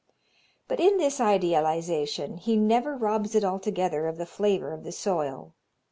But in this idealization he never robs it altogether of the flavor of the soil.